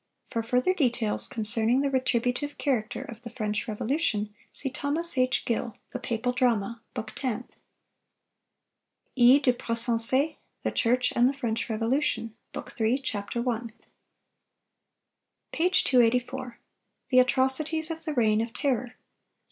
—For further details concerning the retributive character of the French Revolution, see Thos. H. Gill, "The Papal Drama," bk. 10; E. de Pressensé, "The Church and the French Revolution," bk. 3, ch. 1. Page 284. THE ATROCITIES OF THE REIGN OF TERROR.